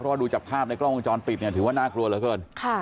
เพราะดูจากภาพในกล้องห้องจรปิดถือว่าน่ากลัวเหลือขน